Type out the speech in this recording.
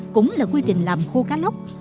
cũng là quy trình làm khô cá lốc